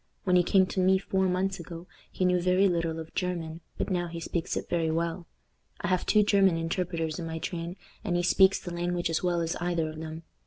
When he came to me four months ago he knew very little of German, but now he speaks it very well. I have two German interpreters in my train, and he speaks the language as well as either of them.